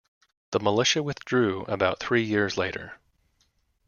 The militia withdrew about three years later.